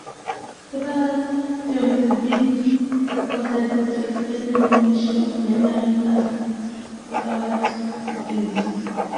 Several theories have been posited to explain the formation of binary-asteroid systems.